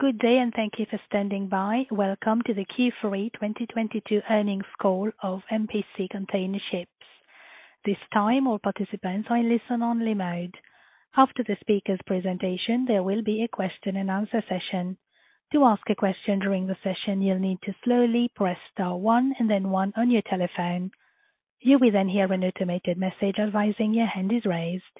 Good day and thank you for standing by. Welcome to the Q3 2022 Earnings Call of MPC Container Ships. This time, all participants are in listen-only mode. After the speaker's presentation, there will be a question and answer session. To ask a question during the session, you'll need to slowly press star one and then one on your telephone. You will then hear an automated message advising your hand is raised.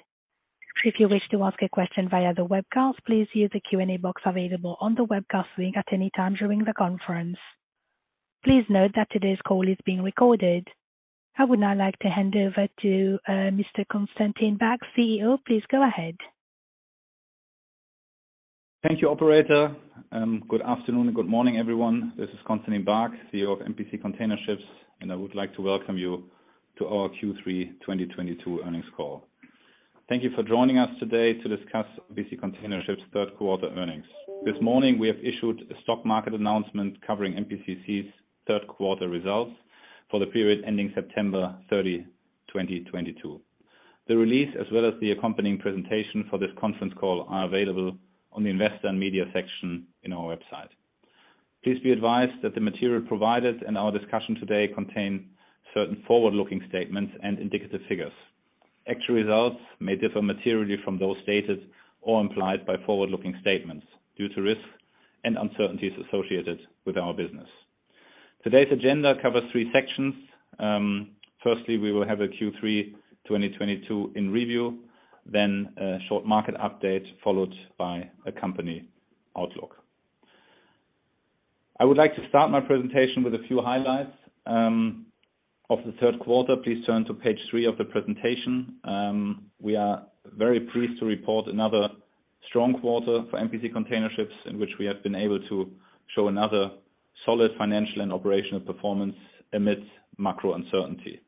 If you wish to ask a question via the webcast, please use the Q&A box available on the webcast link at any time during the conference. Please note that today's call is being recorded. I would now like to hand over to Mr. Constantin Baack, CEO. Please go ahead. Thank you, operator. Good afternoon and good morning, everyone. This is Constantin Baack, CEO of MPC Container Ships, and I would like to welcome you to our Q3 2022 earnings call. Thank you for joining us today to discuss MPC Container Ships third quarter earnings. This morning, we have issued a stock market announcement covering MPCC's third quarter results for the period ending September 30, 2022. The release, as well as the accompanying presentation for this conference call, are available on the investor and media section in our website. Please be advised that the material provided in our discussion today contain certain forward-looking statements and indicative figures. Actual results may differ materially from those stated or implied by forward-looking statements due to risks and uncertainties associated with our business. Today's agenda covers three sections. Firstly, we will have a Q3 2022 in review, then a short market update, followed by a company outlook. I would like to start my presentation with a few highlights of the third quarter. Please turn to page three of the presentation. We are very pleased to report another strong quarter for MPC Container Ships in which we have been able to show another solid financial and operational performance amidst macro uncertainty.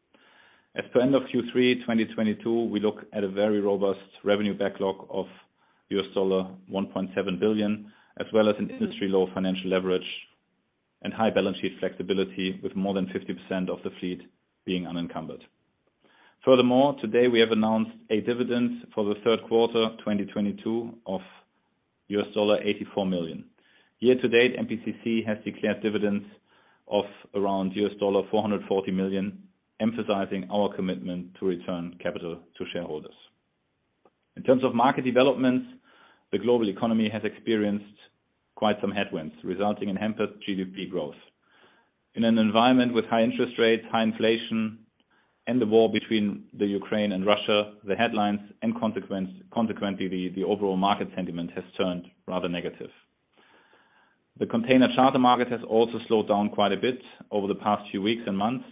As per end of Q3 2022, we look at a very robust -evenue backlog of $1.7 billion, as well as an industry low financial leverage and high balance sheet flexibility with more than 50% of the fleet being unencumbered. Furthermore, today we have announced a dividend for the third quarter of 2022 of $84 million. Year-to-date, MPCC has declared dividends of around $440 million, emphasizing our commitment to return capital to shareholders. In terms of market developments, the global economy has experienced quite some headwinds, resulting in hampered GDP growth. In an environment with high interest rates, high inflation, and the war between the Ukraine and Russia, the headlines and consequently, the overall market sentiment has turned rather negative. The container charter market has also slowed down quite a bit over the past few weeks and months,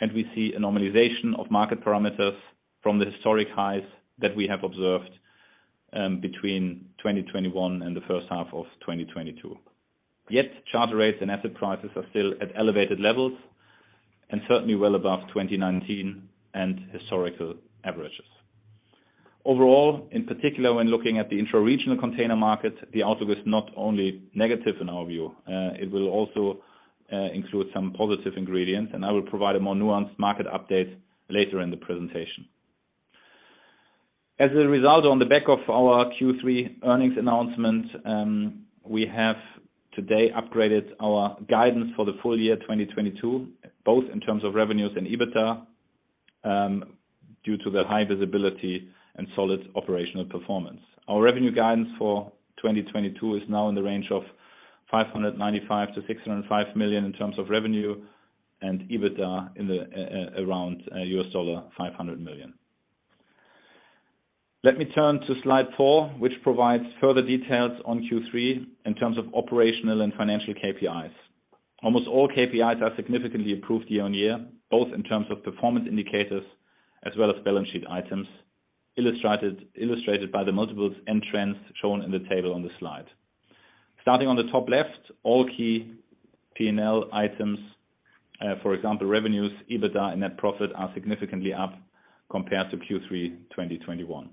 and we see a normalization of market parameters from the historic highs that we have observed between 2021 and the first half of 2022. Yet, charter rates and asset prices are still at elevated levels and certainly well above 2019 and historical averages. Overall, in particular when looking at the intra-regional container market, the outlook is not only negative in our view, it will also include some positive ingredients, and I will provide a more nuanced market update later in the presentation. As a result, on the back of our Q3 earnings announcement, we have today upgraded our guidance for the full year 2022, both in terms of revenues and EBITDA, due to the high visibility and solid operational performance. Our revenue guidance for 2022 is now in the range of $595 million-$605 million in terms of revenue and EBITDA around $500 million. Let me turn to slide 4, which provides further details on Q3 in terms of operational and financial KPIs. Almost all KPIs are significantly improved year-on-year, both in terms of performance indicators as well as balance sheet items, illustrated by the multiples and trends shown in the table on the slide. Starting on the top left, all key P&L items, for example, revenues, EBITDA, and net profit, are significantly up compared to Q3 2021.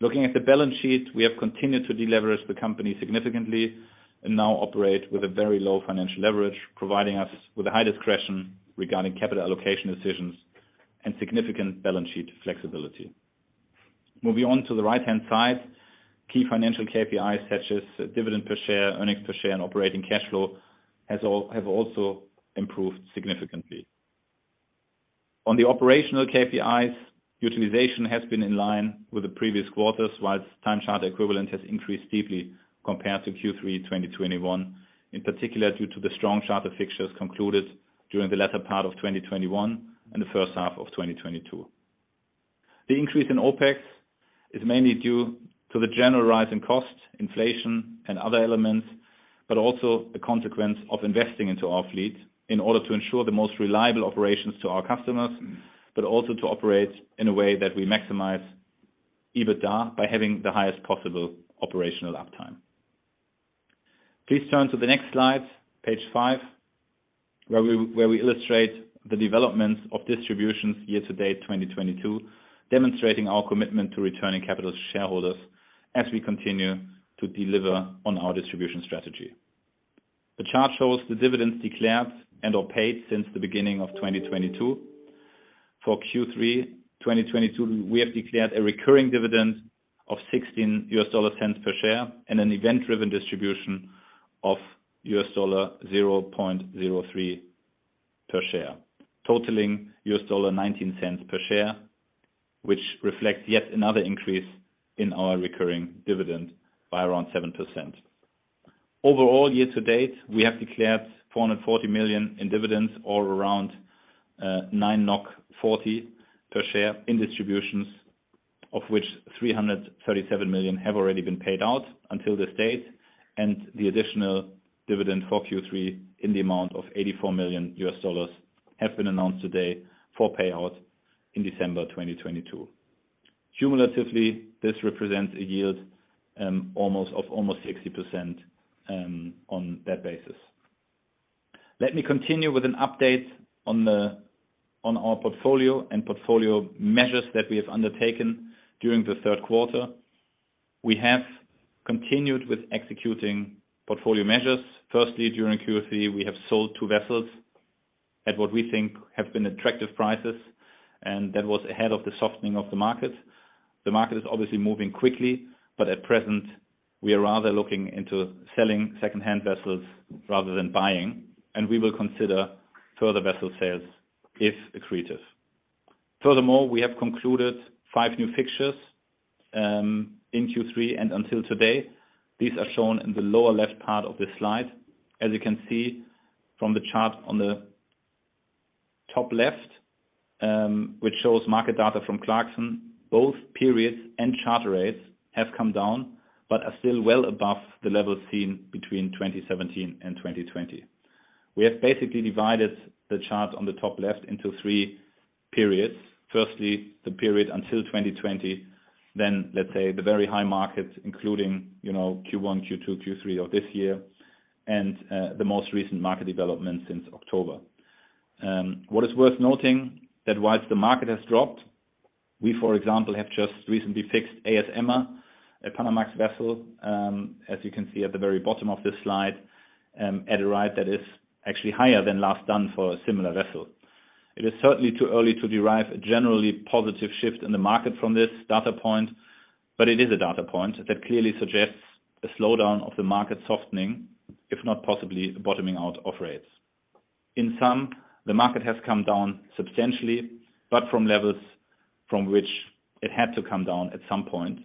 Looking at the balance sheet, we have continued to deleverage the company significantly and now operate with a very low financial leverage, providing us with a high discretion regarding capital allocation decisions and significant balance sheet flexibility. Moving on to the right-hand side, key financial KPIs such as dividend per share, earnings per share, and operating cash flow have also improved significantly. On the operational KPIs, utilization has been in line with the previous quarters, whilst time charter equivalent has increased steeply compared to Q3 2021, in particular due to the strong charter fixtures concluded during the latter part of 2021 and the first half of 2022. The increase in OpEx is mainly due to the general rise in costs, inflation and other elements, but also a consequence of investing into our fleet in order to ensure the most reliable operations to our customers, but also to operate in a way that we maximize EBITDA by having the highest possible operational uptime. Please turn to the next slide, page 5, where we illustrate the development of distributions year-to-date 2022, demonstrating our commitment to returning capital to shareholders as we continue to deliver on our distribution strategy. The chart shows the dividends declared and or paid since the beginning of 2022. For Q3 2022, we have declared a recurring dividend of $0.16 per share and an event-driven distribution of $0.03 per share, totaling $0.19 per share, which reflects yet another increase in our recurring dividend by around 7%. Overall, year-to-date, we have declared $440 million in dividends or around 9.40 NOK per share in distributions, of which $337 million have already been paid out until this date. The additional dividend for Q3 in the amount of $84 million have been announced today for payout in December 2022. Cumulatively, this represents a yield of almost 60% on that basis. Let me continue with an update on our portfolio and portfolio measures that we have undertaken during the third quarter. We have continued with executing portfolio measures. Firstly, during Q3, we have sold two vessels at what we think have been attractive prices, and that was ahead of the softening of the market. The market is obviously moving quickly, but at present we are rather looking into selling second-hand vessels rather than buying, and we will consider further vessel sales if accretive. Furthermore, we have concluded five new fixtures in Q3 and until today. These are shown in the lower left part of this slide. As you can see from the chart on the top left, which shows market data from Clarksons, both periods and charter rates have come down, but are still well above the level seen between 2017 and 2020. We have basically divided the chart on the top left into three periods. Firstly, the period until 2020. Let's say the very high market, including, you know, Q1, Q2, Q3 of this year and the most recent market development since October. What is worth noting that whilst the market has dropped, we, for example, have just recently fixed AS Emma, a Panamax vessel, as you can see at the very bottom of this slide, at a rate that is actually higher than last done for a similar vessel. It is certainly too early to derive a generally positive shift in the market from this data point, but it is a data point that clearly suggests a slowdown of the market softening, if not possibly a bottoming out of rates. In sum, the market has come down substantially, but from levels from which it had to come down at some point.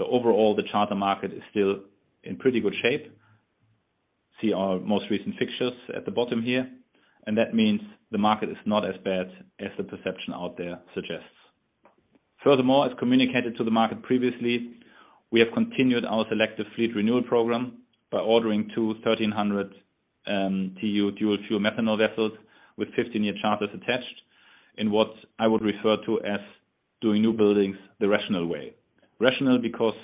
Overall, the charter market is still in pretty good shape. See our most recent fixtures at the bottom here, and that means the market is not as bad as the perception out there suggests. Furthermore, as communicated to the market previously, we have continued our selective fleet renewal program by ordering two 1,300 TEU dual-fuel methanol vessels with 15-year charters attached in what I would refer to as doing newbuildings the rational way. Rational because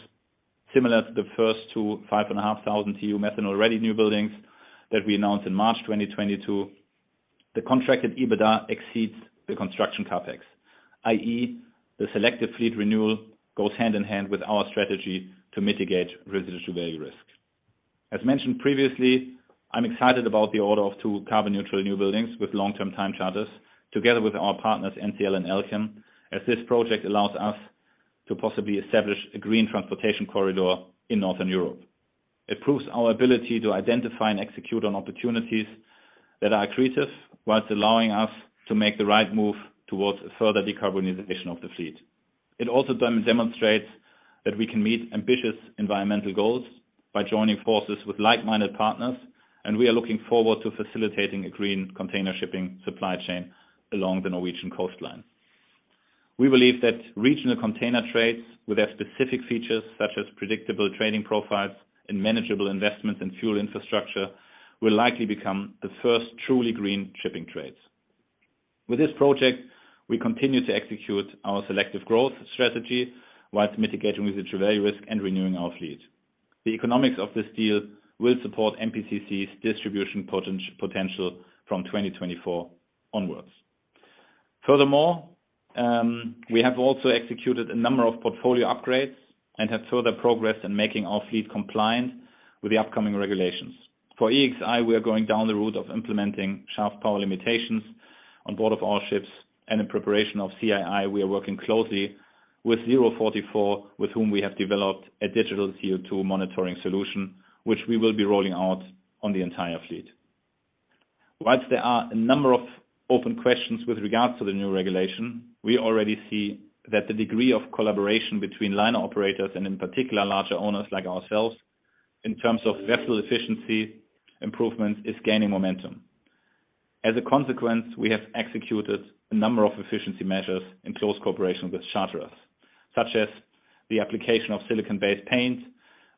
similar to the first two 5,500 TEU methanol-ready newbuildings that we announced in March 2022, the contracted EBITDA exceeds the construction CapEx, i.e., the selective fleet renewal goes hand in hand with our strategy to mitigate residual value risk. As mentioned previously, I'm excited about the order of two carbon-neutral newbuildings with long-term time charters, together with our partners, NCL and Elkem, as this project allows us to possibly establish a green transportation corridor in Northern Europe. It proves our ability to identify and execute on opportunities that are accretive whilst allowing us to make the right move towards a further decarbonization of the fleet. It also demonstrates that we can meet ambitious environmental goals by joining forces with like-minded partners, and we are looking forward to facilitating a green container shipping supply chain along the Norwegian coastline. We believe that regional container trades with their specific features, such as predictable trading profiles and manageable investments in fuel infrastructure, will likely become the first truly green shipping trades. With this project, we continue to execute our selective growth strategy whilst mitigating residual value risk and renewing our fleet. The economics of this deal will support MPCC's distribution potential from 2024 onwards. Furthermore, we have also executed a number of portfolio upgrades and have further progressed in making our fleet compliant with the upcoming regulations. For EEXI, we are going down the route of implementing shaft power limitations on board of all ships, and in preparation of CII, we are working closely with zero44, with whom we have developed a digital CO2 monitoring solution, which we will be rolling out on the entire fleet. Whilst there are a number of open questions with regards to the new regulation, we already see that the degree of collaboration between liner operators and in particular larger owners like ourselves in terms of vessel efficiency improvements is gaining momentum. As a consequence, we have executed a number of efficiency measures in close cooperation with charterers, such as the application of silicon-based paint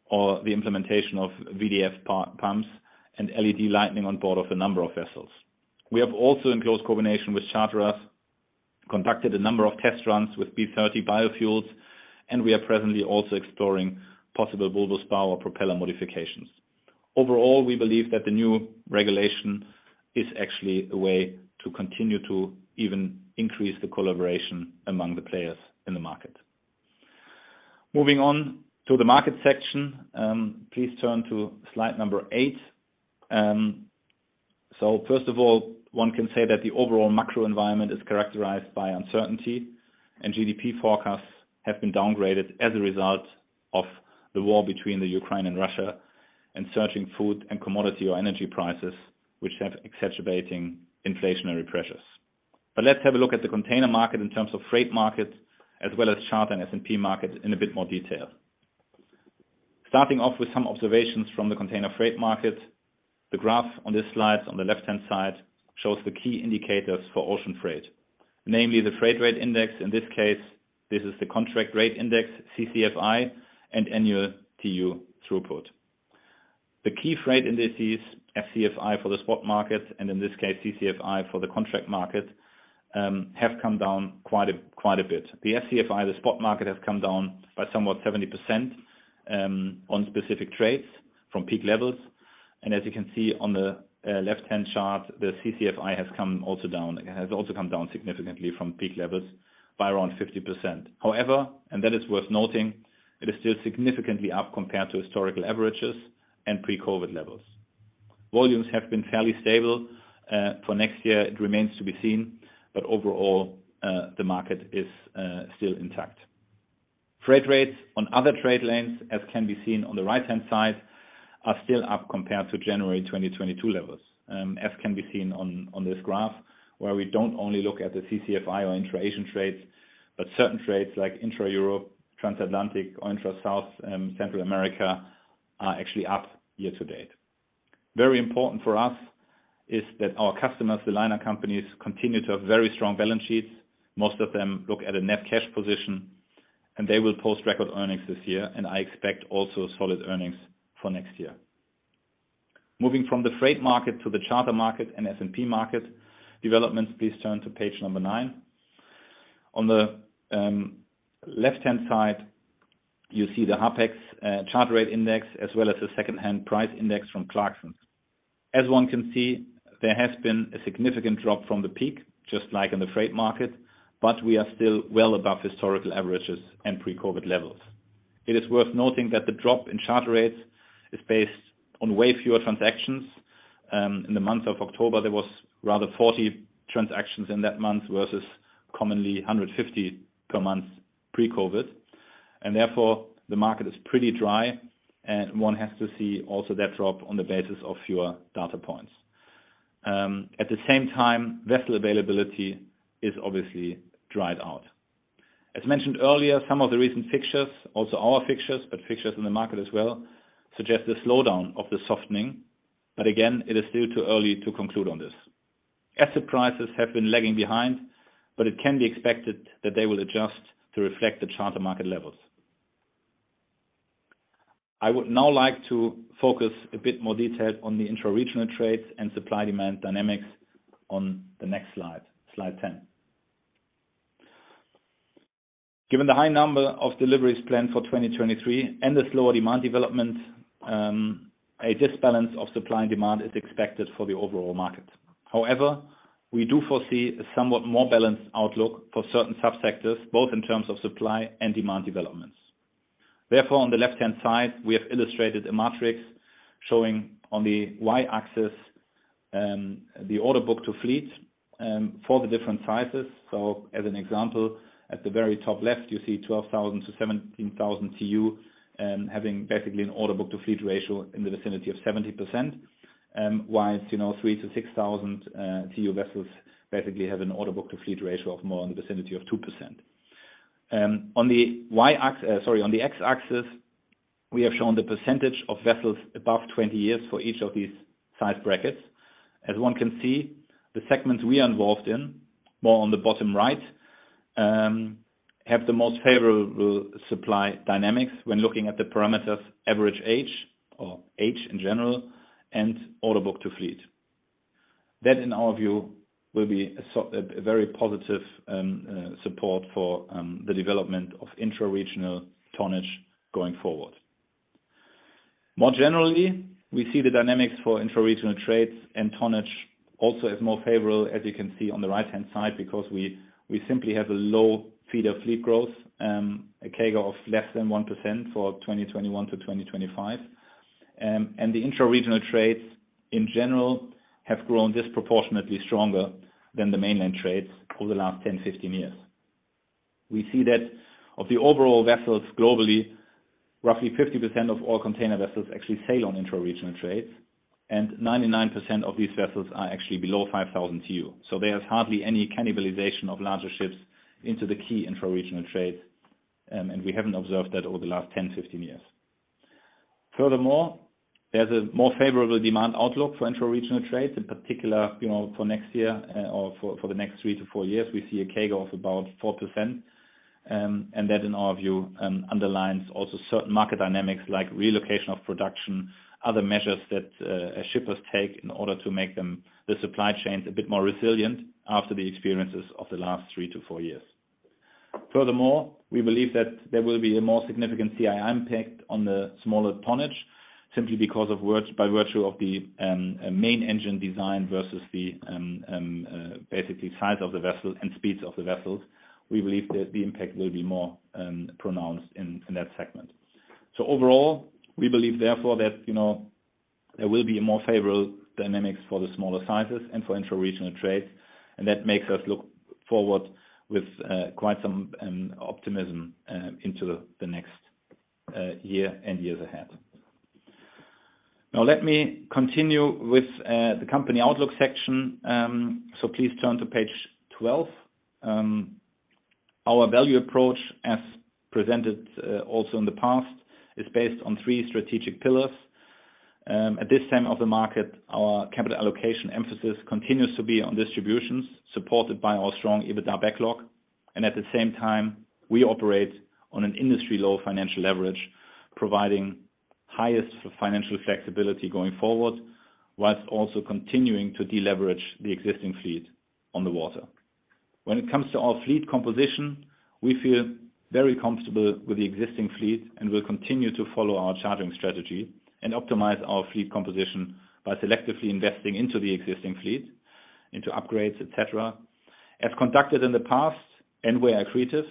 or the implementation of VDF pumps and LED lighting on board of a number of vessels. We have also, in close combination with charterers, conducted a number of test runs with B30 biofuels, and we are presently also exploring possible bulbous bow propeller modifications. Overall, we believe that the new regulation is actually a way to continue to even increase the collaboration among the players in the market. Moving on to the market section, please turn to slide number eight. First of all, one can say that the overall macro environment is characterized by uncertainty, and GDP forecasts have been downgraded as a result of the war between the Ukraine and Russia and surging food and commodity or energy prices, which have exacerbating inflationary pressures. Let's have a look at the container market in terms of freight markets as well as charter and S&P markets in a bit more detail. Starting off with some observations from the container freight market. The graph on this slide on the left-hand side shows the key indicators for ocean freight, namely the freight rate index. In this case, this is the contract rate index, CCFI, and annual TEU throughput. The key freight indices, SCFI for the spot market and in this case, CCFI for the contract market, have come down quite a bit. The SCFI, the spot market, has come down by somewhat 70% on specific trades from peak levels. As you can see on the left-hand chart, the CCFI has also come down significantly from peak levels by around 50%. However, and that is worth noting, it is still significantly up compared to historical averages and pre-COVID levels. Volumes have been fairly stable. For next year it remains to be seen, but overall, the market is still intact. Freight rates on other trade lanes, as can be seen on the right-hand side, are still up compared to January 2022 levels. As can be seen on this graph, where we don't only look at the CCFI or intra-Asian trades, but certain trades like intra-Europe, trans-Atlantic or intra-South Central America are actually up year to date. Very important for us is that our customers, the liner companies, continue to have very strong balance sheets. Most of them look at a net cash position, and they will post record earnings this year. I expect also solid earnings for next year. Moving from the freight market to the charter market and SP market developments, please turn to page number 9. On the left-hand side, you see the Harpex charter rate index, as well as the secondhand price index from Clarksons. As one can see, there has been a significant drop from the peak, just like in the freight market, but we are still well above historical averages and pre-COVID levels. It is worth noting that the drop in charter rates is based on way fewer transactions. In the month of October, there was rather 40 transactions in that month versus commonly 150 per month pre-COVID, and therefore the market is pretty dry. One has to see also that drop on the basis of fewer data points. At the same time, vessel availability is obviously dried out. As mentioned earlier, some of the recent fixtures, also our fixtures, but fixtures in the market as well, suggest a slowdown of the softening. Again, it is still too early to conclude on this. Asset prices have been lagging behind, but it can be expected that they will adjust to reflect the charter market levels. I would now like to focus a bit more detail on the intra-regional trades and supply-demand dynamics on the next slide 10. Given the high number of deliveries planned for 2023 and the slower demand development, a disbalance of supply and demand is expected for the overall market. However, we do foresee a somewhat more balanced outlook for certain subsectors, both in terms of supply and demand developments. Therefore, on the left-hand side, we have illustrated a matrix showing on the Y-axis the order book to fleet for the different sizes. As an example, at the very top left, you see 12,000 TEU-17,000 TEU having basically an order book to fleet ratio in the vicinity of 70%. Whilst, you know, 3,000 TEU-6,000 TEU vessels basically have an order book to fleet ratio of more in the vicinity of 2%. On the X-axis, we have shown the percentage of vessels above 20 years for each of these size brackets. As one can see, the segments we are involved in, more on the bottom right, have the most favorable supply dynamics when looking at the parameters average age or age in general and order book to fleet. That, in our view, will be a very positive support for the development of intra-regional tonnage going forward. More generally, we see the dynamics for intra-regional trades and tonnage also as more favorable, as you can see on the right-hand side, because we simply have a low rate of fleet growth, a CAGR of less than 1% for 2021-2025. The intra-regional trades in general have grown disproportionately stronger than the mainlane trades over the last 10, 15 years. We see that of the overall vessels globally, roughly 50% of all container vessels actually sail on intra-regional trades, and 99% of these vessels are actually below 5,000 TEU. There's hardly any cannibalization of larger ships into the key intra-regional trades, and we haven't observed that over the last 10, 15 years. Furthermore, there's a more favorable demand outlook for intra-regional trades. In particular, you know, for next year, or for the next 3-4 years, we see a CAGR of about 4%. That, in our view, underlines also certain market dynamics like relocation of production, other measures that shippers take in order to make the supply chains a bit more resilient after the experiences of the last three to four years. Furthermore, we believe that there will be a more significant CII impact on the smaller tonnage, simply by virtue of the main engine design versus the basically size of the vessel and speeds of the vessels. We believe that the impact will be more pronounced in that segment. Overall, we believe therefore that, you know, there will be more favorable dynamics for the smaller sizes and for intra-regional trades, and that makes us look forward with quite some optimism into the next year and years ahead. Now let me continue with the company outlook section. Please turn to page 12. Our value approach, as presented also in the past, is based on three strategic pillars. At this time of the market, our capital allocation emphasis continues to be on distributions supported by our strong EBITDA backlog. At the same time, we operate on an industry-low financial leverage, providing highest financial flexibility going forward, whilst also continuing to deleverage the existing fleet on the water. When it comes to our fleet composition, we feel very comfortable with the existing fleet and will continue to follow our chartering strategy and optimize our fleet composition by selectively investing into the existing fleet, into upgrades, et cetera. As conducted in the past, and we are accretive,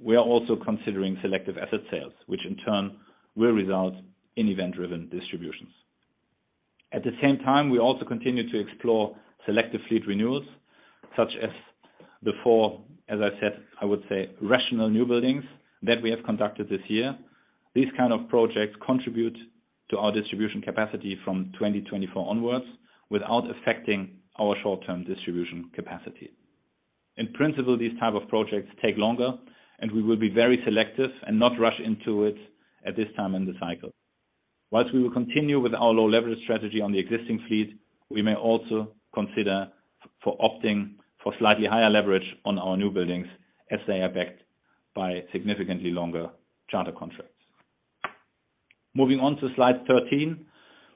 we are also considering selective asset sales, which in turn will result in event-driven distributions. At the same time, we also continue to explore selective fleet renewals, such as before, as I said, I would say rational newbuildings that we have conducted this year. These kind of projects contribute to our distribution capacity from 2024 onwards without affecting our short-term distribution capacity. In principle, these type of projects take longer, and we will be very selective and not rush into it at this time in the cycle. Whilst we will continue with our low leverage strategy on the existing fleet, we may also consider for opting for slightly higher leverage on our newbuildings as they are backed by significantly longer charter contracts. Moving on to slide 13,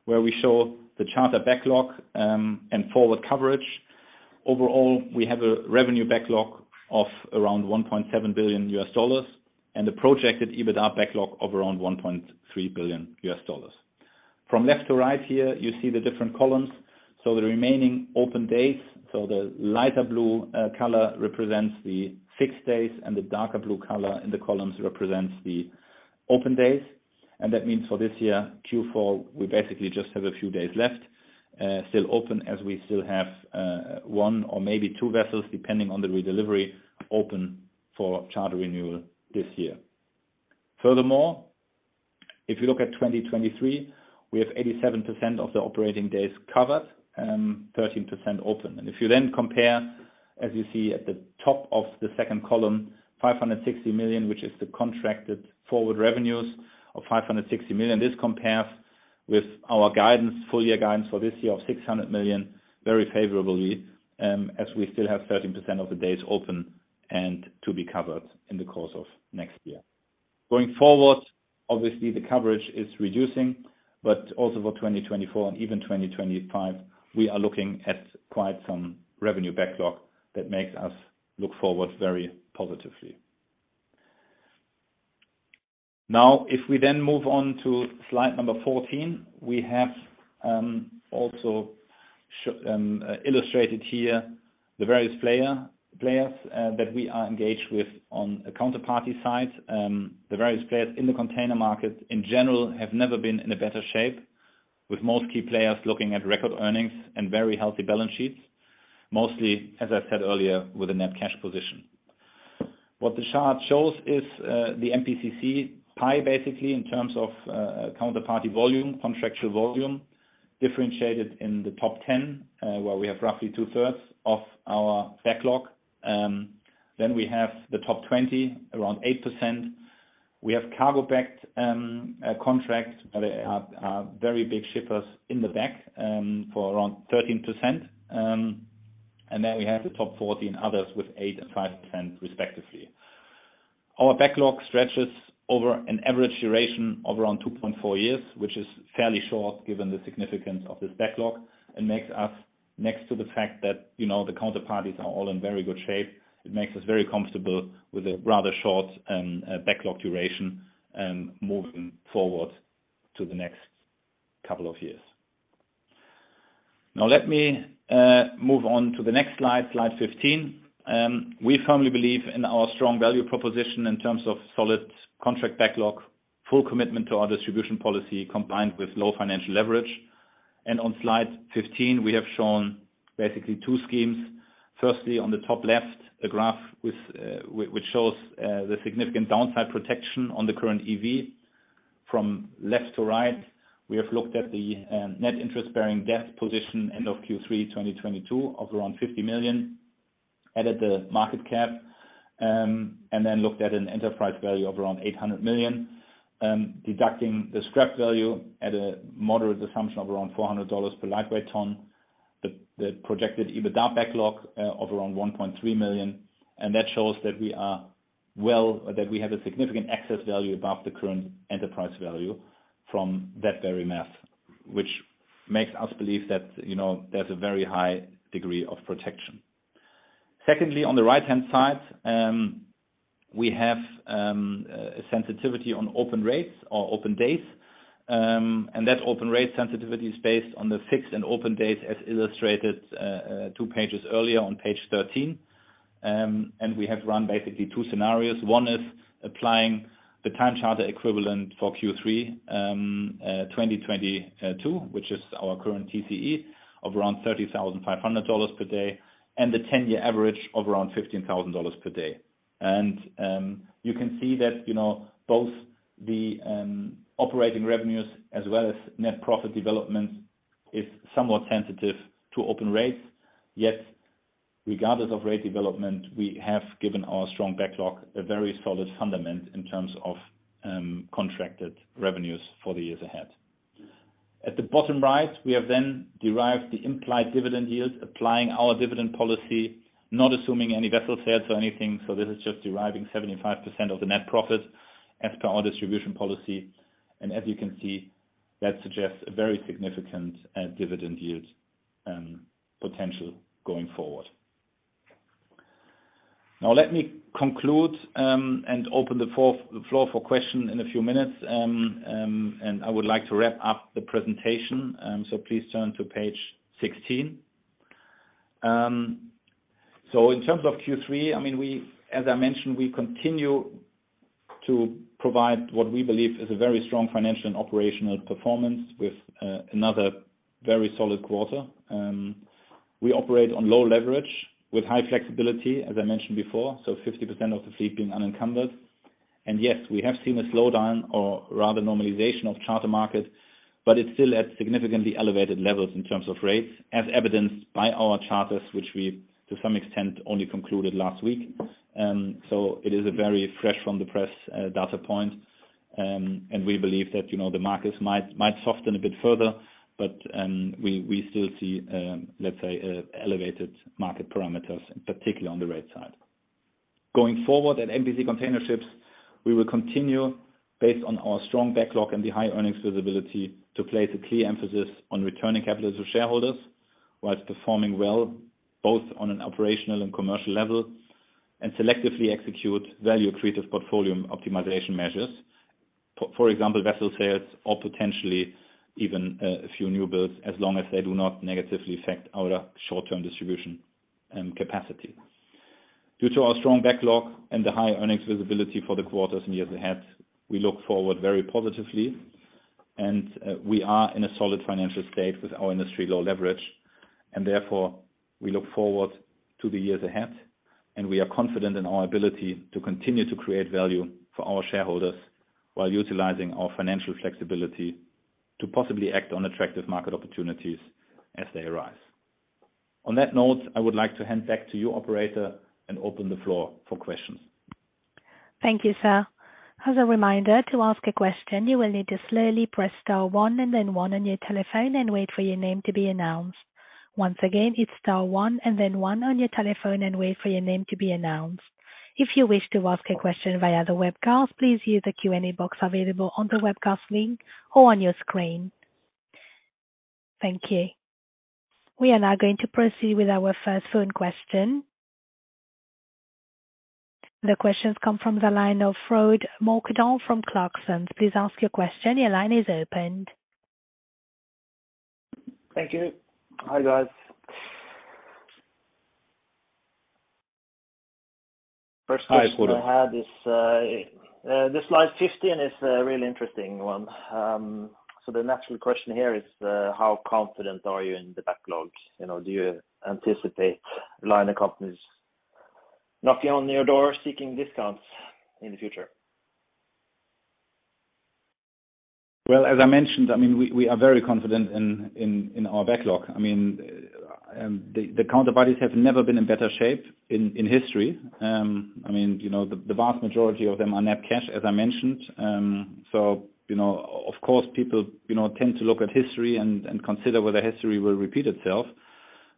where we show the charter backlog and forward coverage. Overall, we have a revenue backlog of around $1.7 billion and the projected EBITDA backlog of around $1.3 billion. From left to right here, you see the different columns. The remaining open dates. The lighter blue color represents the fixed days, and the darker blue color in the columns represents the open days. That means for this year, Q4, we basically just have a few days left still open as we still have one or maybe two vessels, depending on the redelivery, open for charter renewal this year. Furthermore, if you look at 2023, we have 87% of the operating days covered and 13% open. If you then compare, as you see at the top of the second column, $560 million, which is the contracted forward revenues of $560 million. This compares with our guidance, full year guidance for this year of $600 million, very favorably, as we still have 13% of the days open and to be covered in the course of next year. Going forward, obviously, the coverage is reducing, but also for 2024 and even 2025, we are looking at quite some revenue backlog that makes us look forward very positively. Now, if we then move on to slide number 14, we have also illustrated here the various players that we are engaged with on a counterparty side. The various players in the container market in general have never been in a better shape, with most key players looking at record earnings and very healthy balance sheets, mostly, as I said earlier, with a net cash position. What the chart shows is the MPCC pie, basically, in terms of counterparty volume, contractual volume, differentiated in the top 10, where we have roughly 2/3 of our backlog. We have the top 20, around 8%. We have cargo-backed contract very big shippers in the back for around 13%. We have the top 14 others with 8% and 5% respectively. Our backlog stretches over an average duration of around 2.4 years, which is fairly short given the significance of this backlog, and makes us, next to the fact that, you know, the counterparties are all in very good shape. It makes us very comfortable with a rather short backlog duration moving forward to the next couple of years. Now let me move on to the next slide 15. We firmly believe in our strong value proposition in terms of solid contract backlog, full commitment to our distribution policy, combined with low financial leverage. On slide 15, we have shown basically two schemes. Firstly, on the top left, a graph which shows the significant downside protection on the current EV. From left to right, we have looked at the net interest-bearing debt position end of Q3 2022 of around $50 million, added the market cap, and then looked at an enterprise value of around $800 million, deducting the scrap value at a moderate assumption of around $400 per lightweight ton. The projected EBITDA backlog of around $1.3 million. That shows that we have a significant excess value above the current enterprise value from that very math, which makes us believe that, you know, there's a very high degree of protection. Secondly, on the right-hand side, we have a sensitivity on open rates or open days. That open rate sensitivity is based on the fixed and open days as illustrated two pages earlier on page 13. We have run basically two scenarios. One is applying the time charter equivalent for Q3 2022, which is our current TCE of around $30,500 per day, and the 10-year average of around $15,000 per day. You can see that, you know, both the operating revenues as well as net profit development is somewhat sensitive to open rates. Yet regardless of rate development, we have given our strong backlog a very solid fundament in terms of contracted revenues for the years ahead. At the bottom right, we have then derived the implied dividend yield, applying our dividend policy, not assuming any vessel sales or anything. This is just deriving 75% of the net profit as per our distribution policy. As you can see, that suggests a very significant dividend yield potential going forward. Now, let me conclude and open the floor for question in a few minutes, and I would like to wrap up the presentation. Please turn to page 16. In terms of Q3, I mean, as I mentioned, we continue to provide what we believe is a very strong financial and operational performance with another very solid quarter. We operate on low leverage with high flexibility, as I mentioned before, so 50% of the fleet being unencumbered. Yes, we have seen a slowdown or rather normalization of charter market, but it's still at significantly elevated levels in terms of rates, as evidenced by our charters, which we, to some extent, only concluded last week. It is a very fresh from the press data point. We believe that, you know, the markets might soften a bit further, but we still see, let's say, elevated market parameters, particularly on the rate side. Going forward at MPC Container Ships, we will continue based on our strong backlog and the high earnings visibility to place a key emphasis on returning capital to shareholders whilst performing well both on an operational and commercial level, and selectively execute value-accretive portfolio optimization measures. For example, vessel sales or potentially even a few newbuildings as long as they do not negatively affect our short-term distribution capacity. Due to our strong backlog and the high earnings visibility for the quarters and years ahead, we look forward very positively, and we are in a solid financial state with our industry-low leverage. Therefore, we look forward to the years ahead, and we are confident in our ability to continue to create value for our shareholders while utilizing our financial flexibility to possibly act on attractive market opportunities as they arise. On that note, I would like to hand back to you, operator, and open the floor for questions. Thank you, sir. As a reminder, to ask a question, you will need to slowly press star one and then one on your telephone and wait for your name to be announced. Once again, it's star one and then one on your telephone and wait for your name to be announced. If you wish to ask a question via the webcast, please use the Q&A box available on the webcast link or on your screen. Thank you. We are now going to proceed with our first phone question. The questions come from the line of Frode Mørkedal from Clarksons. Please ask your question. Your line is opened. Thank you. Hi, guys. First question. Hi, Frode. The slide 15 is a really interesting one. The natural question here is, how confident are you in the backlogs? You know, do you anticipate a line of companies knocking on your door seeking discounts in the future? Well, as I mentioned, I mean, we are very confident in our backlog. I mean, the counterparties have never been in better shape in history. I mean, you know, the vast majority of them are net cash, as I mentioned. You know, of course, people, you know, tend to look at history and consider whether history will repeat itself.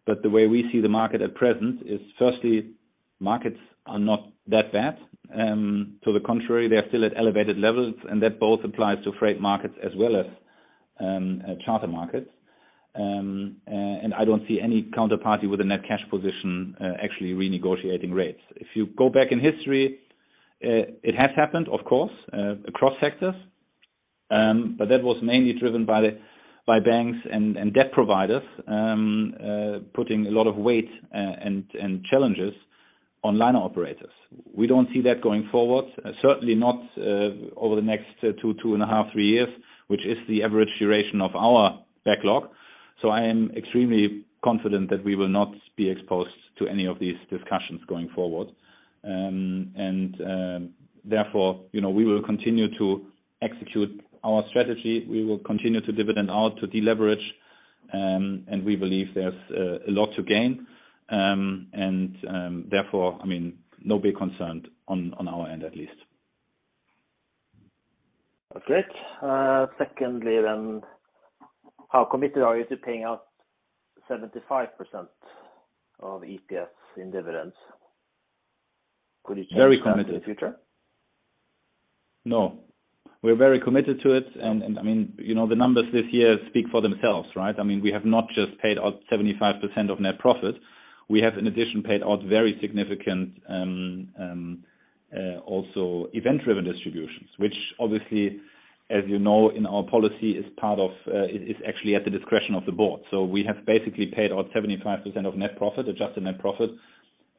The way we see the market at present is firstly, markets are not that bad. To the contrary, they are still at elevated levels, and that both applies to freight markets as well as charter markets. I don't see any counterparty with a net cash position actually renegotiating rates. If you go back in history, it has happened, of course, across sectors. That was mainly driven by banks and debt providers putting a lot of weight and challenges on liner operators. We don't see that going forward, certainly not over the next two and a half, three years, which is the average duration of our backlog. I am extremely confident that we will not be exposed to any of these discussions going forward. Therefore, you know, we will continue to execute our strategy. We will continue to dividend out, to deleverage, and we believe there's a lot to gain. Therefore, I mean, no big concern on our end, at least. Okay. Secondly then, how committed are you to paying out 75% of EPS in dividends? Very committed. Expand in the future? No, we're very committed to it. I mean, you know, the numbers this year speak for themselves, right? I mean, we have not just paid out 75% of net profit. We have, in addition, paid out very significant, also event-driven distributions, which obviously, as you know, in our policy is actually at the discretion of the Board. We have basically paid out 75% of net profit, adjusted net profit,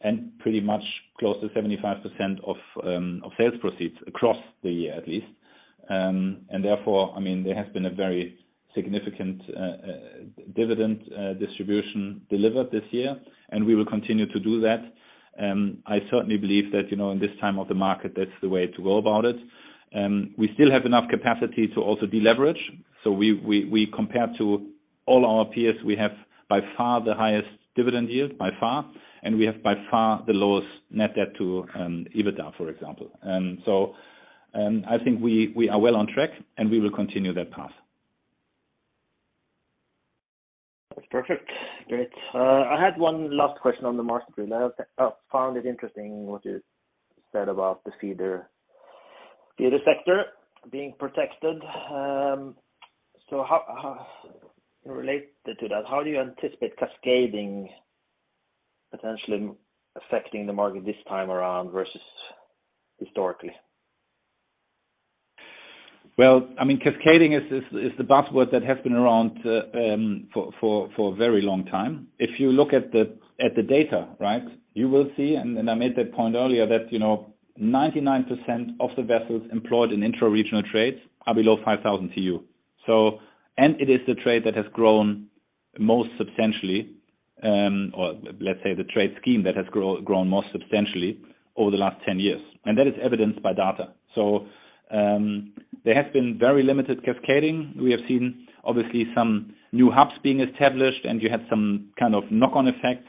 and pretty much close to 75% of sales proceeds across the year, at least. Therefore, I mean, there has been a very significant dividend distribution delivered this year, and we will continue to do that. I certainly believe that, you know, in this time of the market, that's the way to go about it. We still have enough capacity to also deleverage. We compare to all our peers. We have by far the highest dividend yield by far, and we have by far the lowest net debt to EBITDA, for example. I think we are well on track and we will continue that path. That's perfect. Great. I had one last question on the market. I found it interesting what you said about the feeder sector being protected. How related to that, how do you anticipate cascading potentially affecting the market this time around versus historically? Well, I mean, cascading is the buzzword that has been around for a very long time. If you look at the data, right? You will see, and I made that point earlier, that, you know, 99% of the vessels employed in intra-regional trades are below 5,000 TEU. It is the trade that has grown most substantially, or let's say the trade scheme that has grown most substantially over the last 10 years. That is evidenced by data. There has been very limited cascading. We have seen obviously some new hubs being established, and you have some kind of knock-on effect,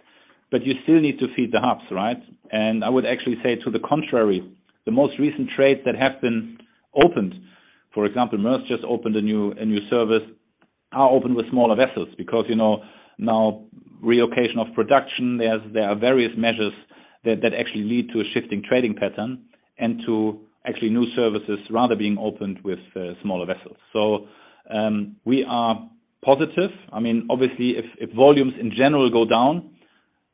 but you still need to feed the hubs, right? I would actually say to the contrary, the most recent trades that have been opened, for example, Maersk just opened a new service, are opened with smaller vessels because, you know, now relocation of production, there are various measures that actually lead to a shifting trading pattern and to actually new services rather being opened with smaller vessels. We are positive. I mean, obviously if volumes in general go down,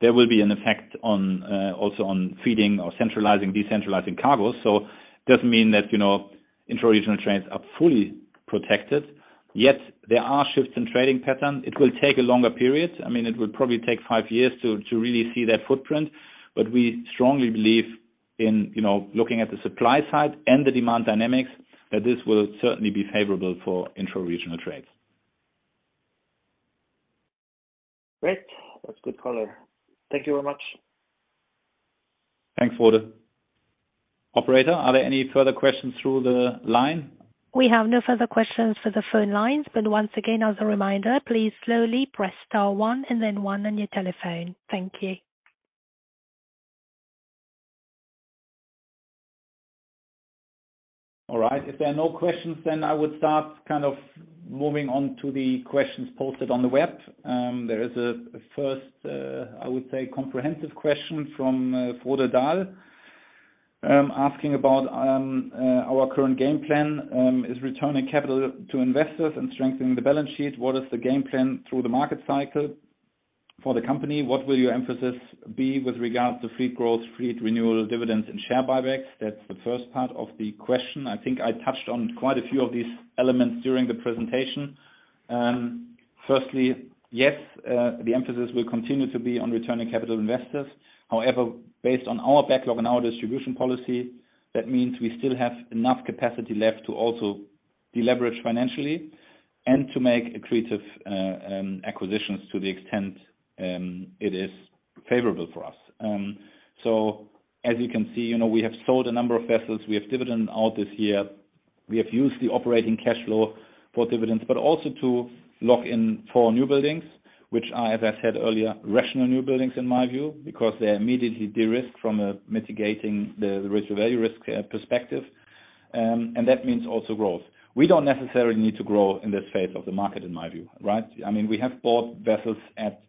there will be an effect also on feeding or centralizing, decentralizing cargo. Doesn't mean that, you know, intra-regional trades are fully protected. Yet there are shifts in trading pattern. It will take a longer period. I mean, it will probably take five years to really see that footprint. We strongly believe in, you know, looking at the supply side and the demand dynamics, that this will certainly be favorable for intra-regional trades. Great. That's good color. Thank you very much. Thanks, Frode. Operator, are there any further questions through the line? We have no further questions for the phone lines. Once again, as a reminder, please slowly press star one and then one on your telephone. Thank you. All right. If there are no questions, then I would start kind of moving on to the questions posted on the web. There is a first, I would say comprehensive question from Frode Mørkedal asking about our current game plan. Is returning capital to investors and strengthening the balance sheet, what is the game plan through the market cycle for the company? What will your emphasis be with regards to fleet growth, fleet renewal, dividends and share buybacks? That's the first part of the question. I think I touched on quite a few of these elements during the presentation. Firstly, yes, the emphasis will continue to be on returning capital investors. However, based on our backlog and our distribution policy, that means we still have enough capacity left to also deleverage financially and to make accretive acquisitions to the extent it is favorable for us. As you can see, you know, we have sold a number of vessels. We have dividend out this year. We have used the operating cash flow for dividends, but also to lock in for newbuildings, which are, as I said earlier, rational newbuildings in my view, because they immediately de-risk from mitigating the residual value risk perspective. That means also growth. We don't necessarily need to grow in this phase of the market, in my view, right? I mean, we have bought vessels at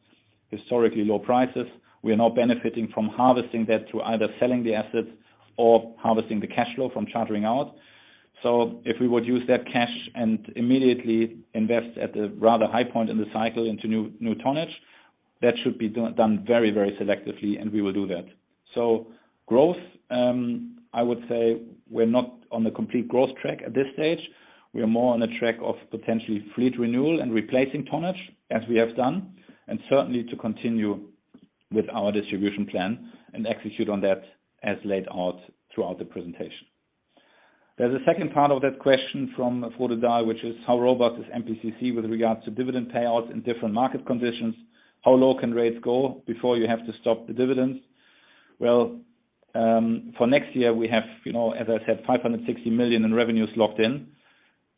historically low prices. We are now benefiting from harvesting that through either selling the assets or harvesting the cash flow from chartering out. If we would use that cash and immediately invest at a rather high point in the cycle into new tonnage, that should be done very selectively, and we will do that. Growth, I would say we're not on a complete growth track at this stage. We are more on a track of potentially fleet renewal and replacing tonnage as we have done, and certainly to continue with our distribution plan and execute on that as laid out throughout the presentation. There's a second part of that question from Frode Mørkedal, which is how robust is MPCC with regards to dividend payouts in different market conditions? How low can rates go before you have to stop the dividends? Well, for next year, we have, you know, as I said, $560 million in revenues locked in.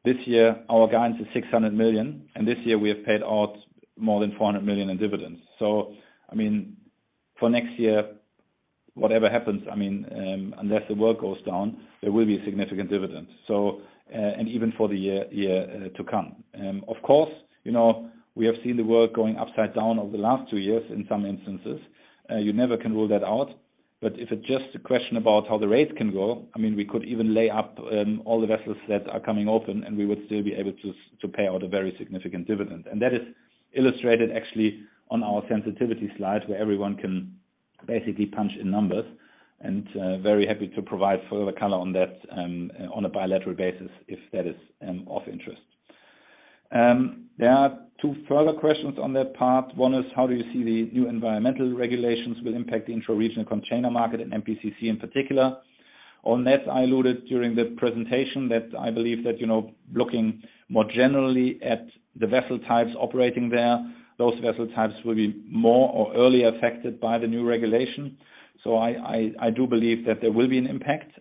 This year, our guidance is $600 million, and this year we have paid out more than $400 million in dividends. I mean, for next year, whatever happens, I mean, unless the world goes down, there will be a significant dividend. Even for the year to come. Of course, you know, we have seen the world going upside down over the last two years in some instances. You never can rule that out. If it's just a question about how the rates can go, I mean, we could even lay up all the vessels that are coming open, and we would still be able to pay out a very significant dividend. That is illustrated actually on our sensitivity slide, where everyone can basically punch in numbers. Very happy to provide further color on that on a bilateral basis if that is of interest. There are two further questions on that part. One is, how do you see the new environmental regulations will impact the intra-regional container market and MPCC in particular? On that, I alluded during the presentation that I believe that, you know, looking more generally at the vessel types operating there, those vessel types will be more or early affected by the new regulation. I do believe that there will be an impact.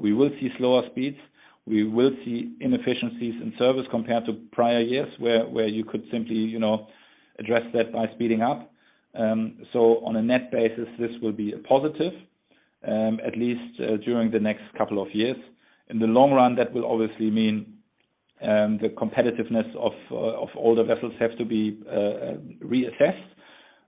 We will see slower speeds. We will see inefficiencies in service compared to prior years, where you could simply, you know, address that by speeding up. Um, so on a net basis, this will be a positive, um, at least, uh, during the next couple of years. In the long run, that will obviously mean, um, the competitiveness of, uh, of all the vessels have to be, uh, reassessed.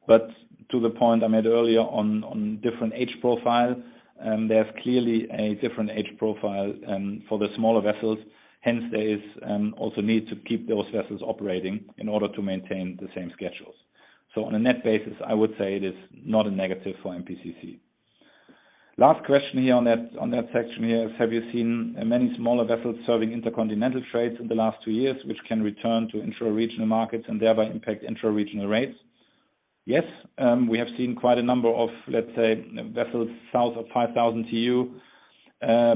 But to the point I made earlier on different age profile, um, there's clearly a different age profile, um, for the smaller vessels. Hence, there is, um, also need to keep those vessels operating in order to maintain the same schedules. So on a net basis, I would say it is not a negative for MPCC. Last question here on that, on that section here is, have you seen, uh, many smaller vessels serving intercontinental trades in the last two years, which can return to intra-regional markets and thereby impact intra-regional rates? Yes, we have seen quite a number of, let's say, vessels south of 5,000 TEU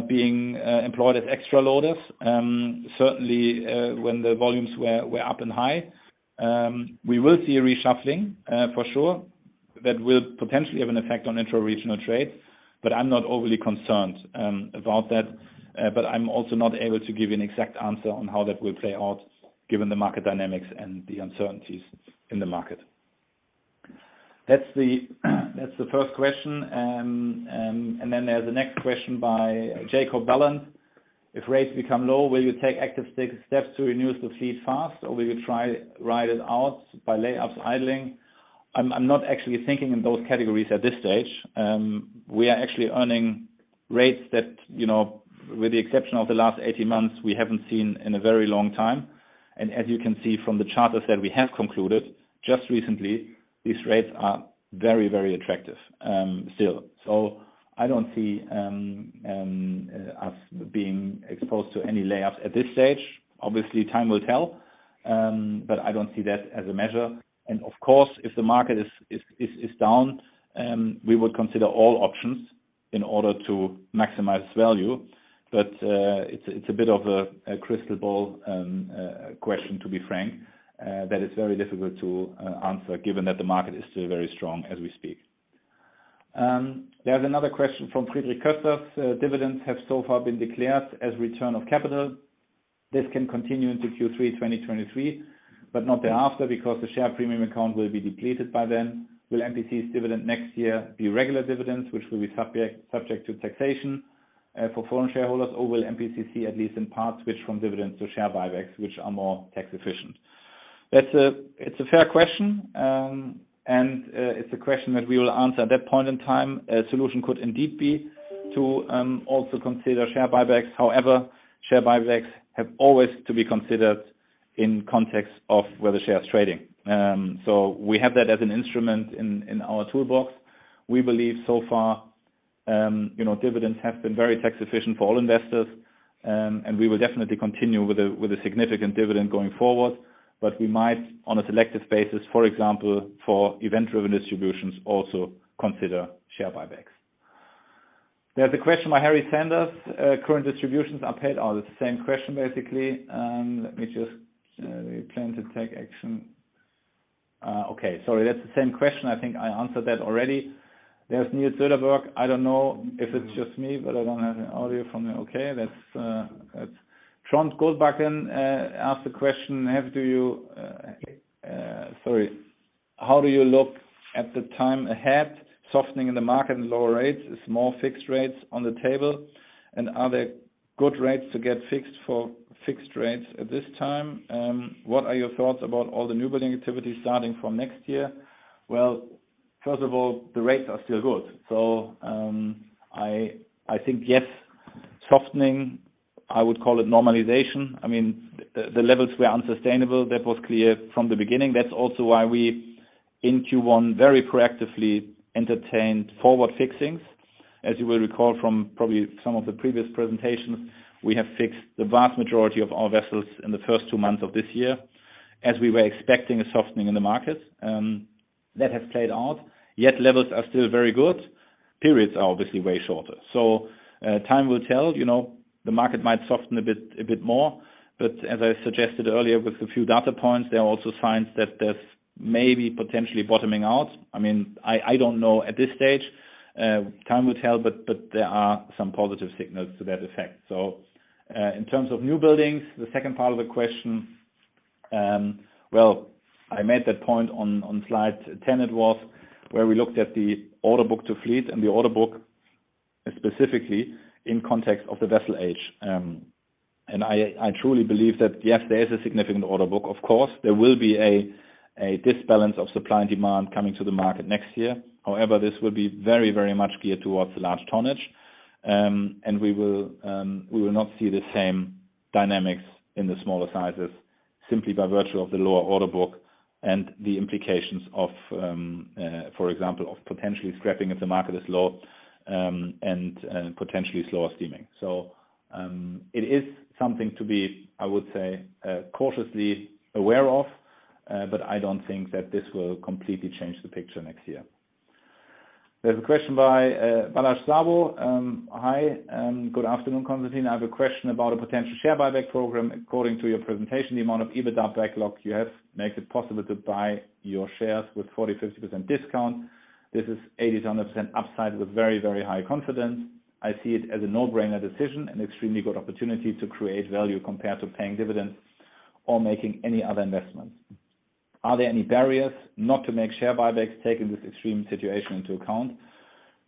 being employed as extra loaders. Certainly, when the volumes were up and high. We will see a reshuffling, for sure, that will potentially have an effect on intra-regional trade, but I'm not overly concerned about that. I'm also not able to give you an exact answer on how that will play out given the market dynamics and the uncertainties in the market. That's the first question. There's the next question by Jacob Balon. If rates become low, will you take active steps to renew the fleet fast, or will you try ride it out by layups idling? I'm not actually thinking in those categories at this stage. We are actually earning rates that, you know, with the exception of the last 18 months, we haven't seen in a very long time. As you can see from the charters that we have concluded just recently, these rates are very, very attractive still. I don't see us being exposed to any layups at this stage. Obviously, time will tell, but I don't see that as a measure. Of course, if the market is down, we would consider all options in order to maximize value. It's a bit of a crystal ball question to be frank that is very difficult to answer given that the market is still very strong as we speak. There's another question from Friedrich Koesters. Dividends have so far been declared as return of capital. This can continue into Q3 2023, but not thereafter because the share premium account will be depleted by then. Will MPCC's dividend next year be regular dividends, which will be subject to taxation for foreign shareholders, or will MPCC at least in part switch from dividends to share buybacks, which are more tax efficient? It's a fair question, and it's a question that we will answer at that point in time. A solution could indeed be to also consider share buybacks. However, share buybacks have always to be considered in context of where the share is trading. We have that as an instrument in our toolbox. We believe so far, you know, dividends have been very tax efficient for all investors, and we will definitely continue with a significant dividend going forward. We might, on a selective basis, for example, for event-driven distributions, also consider share buybacks. There's a question by Harry Sanders. Current distributions are paid. Oh, it's the same question, basically. We plan to take action. Okay. Sorry, that's the same question. I think I answered that already. There's Niels Söderberg. I don't know if it's just me, but I don't have any audio from there. Okay. Trond Goldbakken asked a question. How do you look at the time ahead, softening in the market and lower rates? Is more fixed rates on the table? Are there good rates to get fixed for fixed rates at this time? What are your thoughts about all the newbuilding activities starting from next year? Well, first of all, the rates are still good. I think, yes, softening, I would call it normalization. I mean, the levels were unsustainable. That was clear from the beginning. That's also why we, in Q1, very proactively entertained forward fixings. As you will recall from probably some of the previous presentations, we have fixed the vast majority of our vessels in the first two months of this year, as we were expecting a softening in the market. That has played out. Yet levels are still very good. Periods are obviously way shorter. Time will tell. You know, the market might soften a bit more. As I suggested earlier with a few data points, there are also signs that there's maybe potentially bottoming out. I mean, I don't know at this stage. Time will tell, but there are some positive signals to that effect. In terms of newbuildings, the second part of the question, well, I made that point on slide 10 it was, where we looked at the order book to fleet and the order book and specifically in context of the vessel age. I truly believe that yes, there is a significant order book. Of course, there will be a disbalance of supply and demand coming to the market next year. However, this will be very much geared towards the large tonnage. We will not see the same dynamics in the smaller sizes simply by virtue of the lower order book and the implications of, for example, potentially scrapping if the market is low and potentially slower steaming. It is something to be, I would say, cautiously aware of, but I don't think that this will completely change the picture next year. There's a question by Balazs Szabo. Hi, good afternoon, Constantin. I have a question about a potential share buyback program. According to your presentation, the amount of EBITDA backlog you have makes it possible to buy your shares with 40%-50% discount. This is 80%-100% upside with very high confidence. I see it as a no-brainer decision, an extremely good opportunity to create value compared to paying dividends or making any other investments. Are there any barriers not to make share buybacks, taking this extreme situation into account?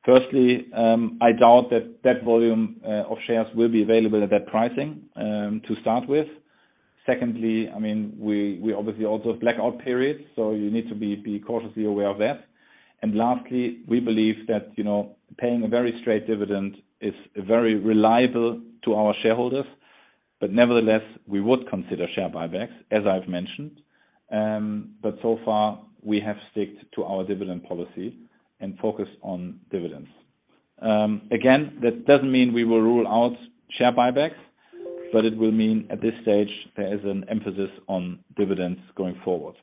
Firstly, I doubt that that volume of shares will be available at that pricing to start with. Secondly, I mean, we obviously also have blackout periods, so you need to be cautiously aware of that. Lastly, we believe that, you know, paying a very straight dividend is very reliable to our shareholders. Nevertheless, we would consider share buybacks, as I've mentioned. So far we have sticked to our dividend policy and focused on dividends. Again, that doesn't mean we will rule out share buybacks, but it will mean at this stage there is an emphasis on dividends going forward.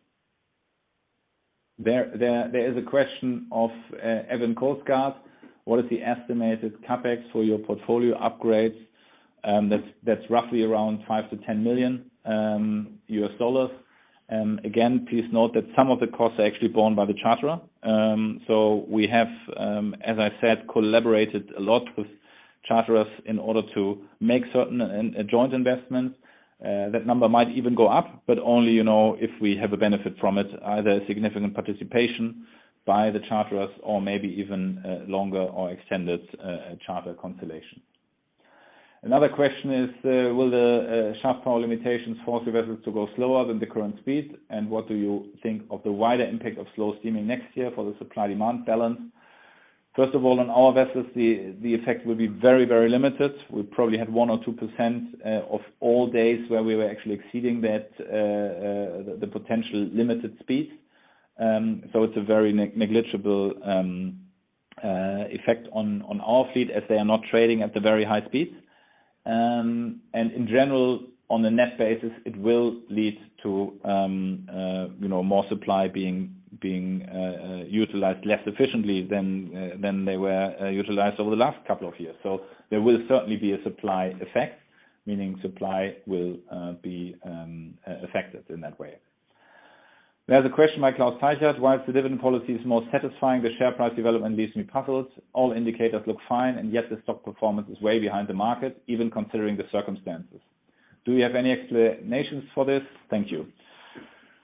There is a question of Even Kolsgaard. What is the estimated CapEx for your portfolio upgrades? That's roughly around $5 million-$10 million. Again, please note that some of the costs are actually borne by the charterer. We have, as I said, collaborated a lot with charterers in order to make certain joint investments. That number might even go up, but only, you know, if we have a benefit from it, either a significant participation by the charterers or maybe even longer or extended charter duration. Another question is, will the shaft power limitations force the vessels to go slower than the current speed? And what do you think of the wider impact of slow steaming next year for the supply/demand balance? First of all, on our vessels, the effect will be very limited. We probably had 1% or 2% of all days where we were actually exceeding that potential limited speed. It's a very negligible effect on our fleet as they are not trading at the very high speeds. In general, on a net basis, it will lead to, you know, more supply being utilized less efficiently than they were utilized over the last couple of years. There will certainly be a supply effect, meaning supply will be affected in that way. There's a question by Klaus Teichart. Whilst the dividend policy is most satisfying, the share price development leaves me puzzled. All indicators look fine, and yet the stock performance is way behind the market, even considering the circumstances. Do you have any explanations for this? Thank you.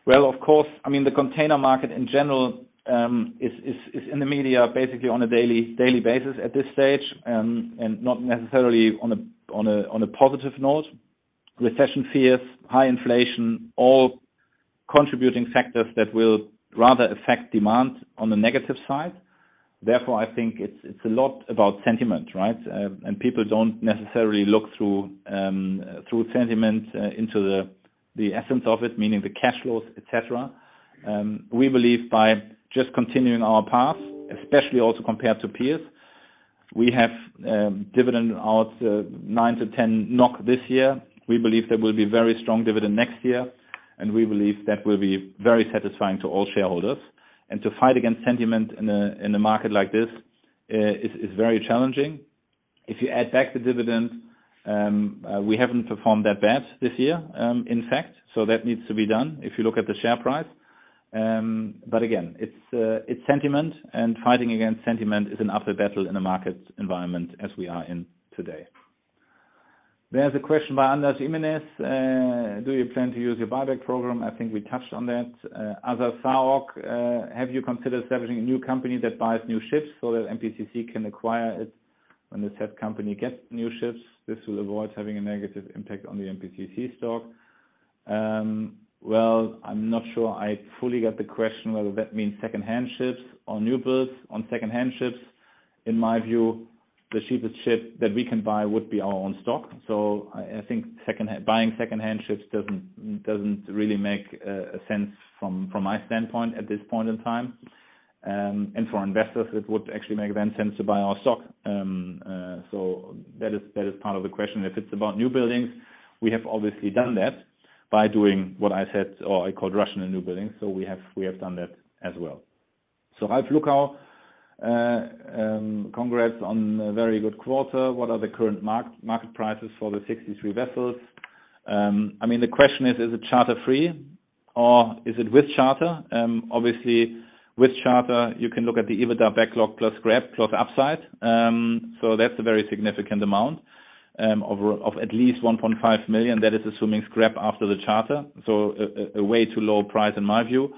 Well, of course. I mean, the container market in general is in the media basically on a daily basis at this stage and not necessarily on a positive note. Recession fears, high inflation, all contributing factors that will rather affect demand on the negative side. Therefore, I think it's a lot about sentiment, right? People don't necessarily look through sentiment into the essence of it, meaning the cash flows, et cetera. We believe by just continuing our path, especially also compared to peers, we have dividend out 9-10 NOK this year. We believe there will be very strong dividend next year, and we believe that will be very satisfying to all shareholders. To fight against sentiment in a market like this is very challenging. If you add back the dividend, we haven't performed that bad this year, in fact, so that needs to be done if you look at the share price. Again, it's sentiment, and fighting against sentiment is an uphill battle in a market environment as we are in today. There's a question by Anders Jimenez. Do you plan to use your buyback program? I think we touched on that. Asa Sauk, have you considered establishing a new company that buys new ships so that MPCC can acquire it when the said company gets new ships? This will avoid having a negative impact on the MPCC stock. Well, I'm not sure I fully get the question whether that means secondhand ships or new builds. On secondhand ships, in my view, the cheapest ship that we can buy would be our own stock. I think secondhand, buying secondhand ships doesn't really make a sense from my standpoint at this point in time. For investors, it would actually make then sense to buy our stock. That is part of the question. If it's about new buildings, we have obviously done that by doing what I said or I called rational newbuildings. We have done that as well. Ralf Gluckau, congrats on a very good quarter. What are the current market prices for the 63 vessels? Um, I mean, the question is it charter-free or is it with charter? Um, obviously with charter, you can look at the EBITDA backlog plus scrap plus upside. Um, so that's a very significant amount, um, of r- of at least one point five million. That is assuming scrap after the charter. So a, a way too low price in my view.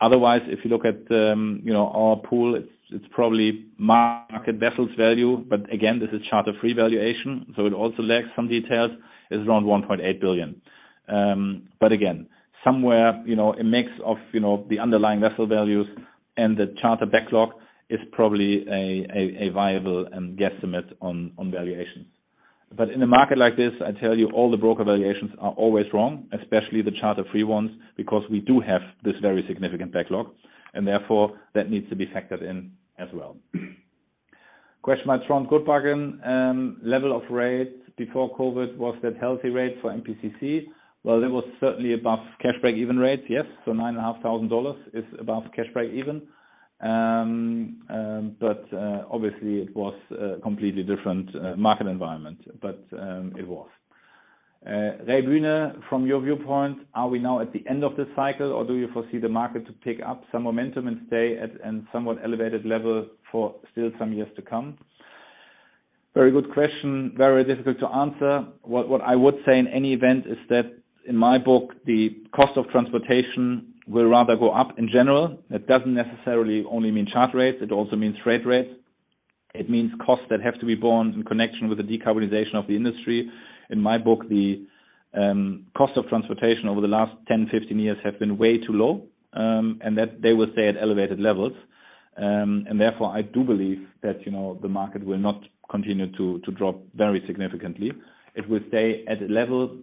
Otherwise, if you look at, um, you know, our pool, it's probably market vessels value, but again, this is charter free valuation, so it also lacks some details. It's around one point eight billion. Um, but again, somewhere, you know, a mix of, you know, the underlying vessel values and the charter backlog is probably a, a viable, um, guesstimate on valuation. In a market like this, I tell you all the broker valuations are always wrong, especially the charter-free ones, because we do have this very significant backlog, and therefore that needs to be factored in as well. Question by Trond Gualdbakken, level of rates before COVID, was that healthy rate for MPCC? Well, it was certainly above cash break-even rate, yes. Nine and a half thousand dollars is above cash break-even. Obviously it was a completely different market environment, but it was. Ray Bruna, from your viewpoint, are we now at the end of this cycle, or do you foresee the market to pick up some momentum and stay at an somewhat elevated level for still some years to come? Very good question. Very difficult to answer. What I would say in any event is that in my book, the cost of transportation will rather go up in general. It doesn't necessarily only mean charter rates, it also means freight rates. It means costs that have to be borne in connection with the decarbonization of the industry. In my book, the cost of transportation over the last 10-15 years have been way too low, and that they will stay at elevated levels. Therefore, I do believe that, you know, the market will not continue to drop very significantly. It will stay at a level,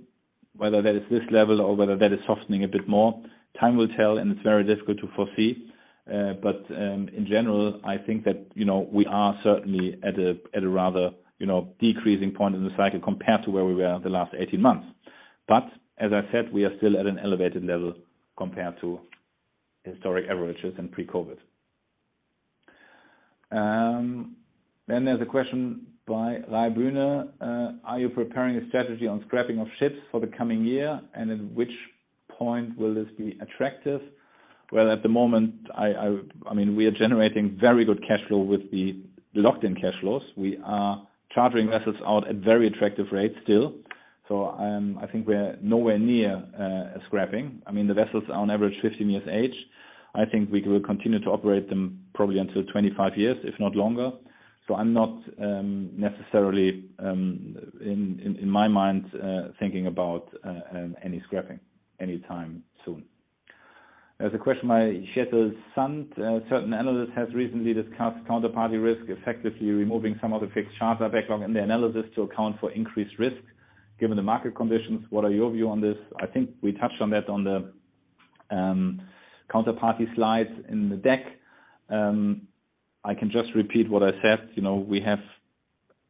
whether that is this level or whether that is softening a bit more. Time will tell, and it's very difficult to foresee. In general, I think that, you know, we are certainly at a rather, you know, decreasing point in the cycle compared to where we were the last 18 months. As I said, we are still at an elevated level compared to historic averages in pre-COVID. There's a question by Ray Bruna. Are you preparing a strategy on scrapping of ships for the coming year, and in which point will this be attractive? Well, at the moment, I mean, we are generating very good cash flow with the locked-in cash flows. We are chartering vessels out at very attractive rates still. I think we're nowhere near scrapping. I mean, the vessels are on average 15 years age. I think we will continue to operate them probably until 25 years, if not longer. I'm not necessarily in my mind thinking about any scrapping anytime soon. There's a question by Jesper Sand. A certain analyst has recently discussed counterparty risk, effectively removing some of the fixed charter backlog in the analysis to account for increased risk. Given the market conditions, what are your view on this? I think we touched on that on the counterparty slides in the deck. I can just repeat what I said, you know. We have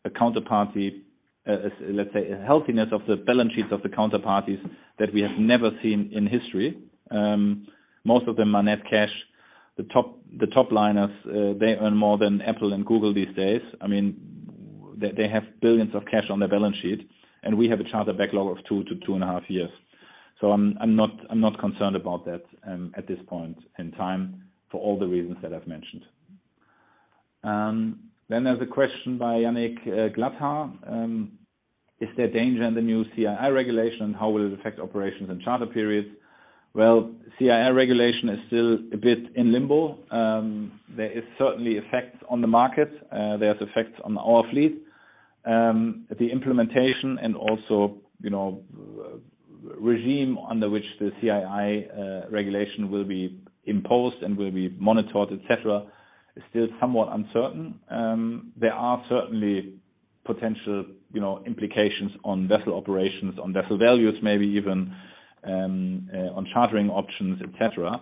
a counterparty, let's say a healthiness of the balance sheets of the counterparties that we have never seen in history. Most of them are net cash. They earn more than Apple and Google these days. I mean, they have $ billions of cash on their balance sheet, and we have a charter backlog of 2-2.5 years. I'm not concerned about that at this point in time for all the reasons that I've mentioned. There's a question by Yannick Glatthar. Is there danger in the new CII regulation, how will it affect operations and charter periods? Well, CII regulation is still a bit in limbo. There is certainly effects on the market. There's effects on our fleet. The implementation and also, you know, regime under which the CII regulation will be imposed and will be monitored, et cetera, is still somewhat uncertain. There are certainly potential, you know, implications on vessel operations, on vessel values maybe even, on chartering options, et cetera.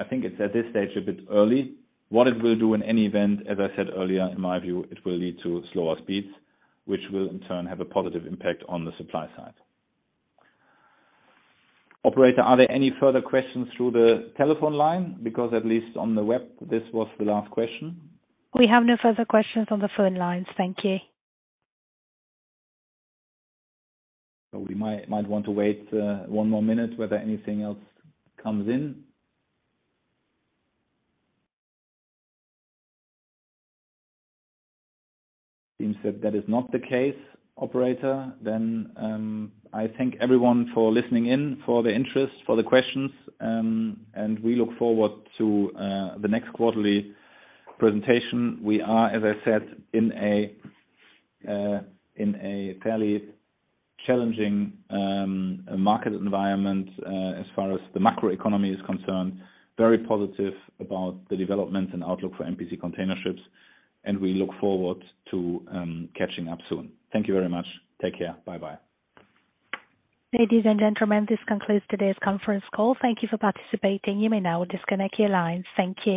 I think it's at this stage a bit early. What it will do in any event, as I said earlier, in my view, it will lead to slower speeds, which will in turn have a positive impact on the supply side. Operator, are there any further questions through the telephone line? Because at least on the web, this was the last question. We have no further questions on the phone lines. Thank you. We might want to wait one more minute whether anything else comes in. Seems that is not the case, operator. I thank everyone for listening in, for the interest, for the questions, and we look forward to the next quarterly presentation. We are, as I said, in a fairly challenging market environment as far as the macroeconomy is concerned, very positive about the development and outlook for MPC Container Ships, and we look forward to catching up soon. Thank you very much. Take care. Bye-bye. Ladies and gentlemen, this concludes today's conference call. Thank you for participating. You may now disconnect your lines. Thank you.